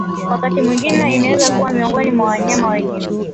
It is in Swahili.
Wakati mwingine inaweza kuwa miongoni mwa wanyama wenyewe